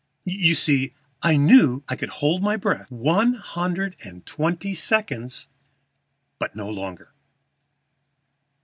You see, I knew I could hold my breath one hundred and twenty seconds, but no longer.